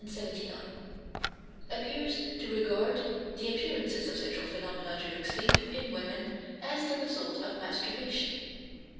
31, 79) appears to regard the appearances of sexual phenomena during sleep, in women, as the result of masturbation.